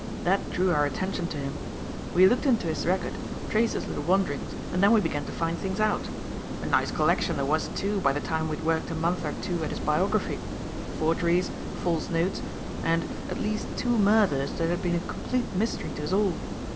That drew our attention to him. We looked into his record, traced his little wanderings and then we began to find things out. A nice collection there was, too, by the time we had worked a month or two at his biography; forgeries, false notes, and, at least two murders that had been a complete mystery to us all.